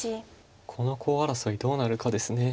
このコウ争いどうなるかです。